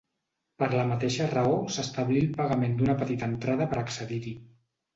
Per la mateixa raó s'establí el pagament d'una petita entrada per accedir-hi.